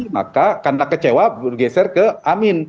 maka akan tak kecewa bergeser ke amir